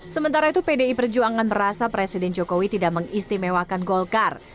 sementara itu pdi perjuangan merasa presiden jokowi tidak mengistimewakan golkar